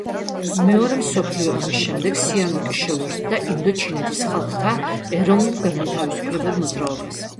მეორე მსოფლიო ომის შემდეგ სიანუკი შეუერთდა ინდოჩინეთის ხალხთა ეროვნულ-განმათავისუფლებელ მოძრაობას.